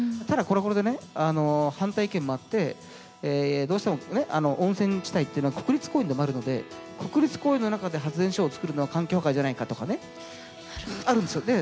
ただこれもこれでね反対意見もあってどうしても温泉地帯っていうのは国立公園でもあるので国立公園の中で発電所を作るのは環境破壊じゃないかとかねあるんですよ。